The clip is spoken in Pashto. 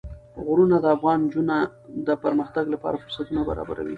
غرونه د افغان نجونو د پرمختګ لپاره فرصتونه برابروي.